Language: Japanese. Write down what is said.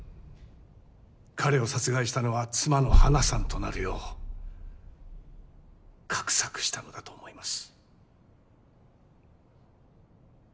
彼を殺害したのは妻の花さんとなるよう画策したのだと思います。